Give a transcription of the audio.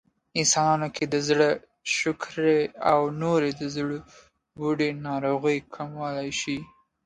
انسانانو کې د زړه، شکرې او نورې د زړبوډۍ ناروغۍ کمولی شي